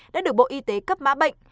đã được bộ y tế cấp mã bệnh